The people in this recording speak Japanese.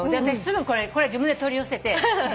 あたしすぐこれは自分で取り寄せて。